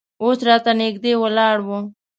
اوس راته نږدې ولاړ و.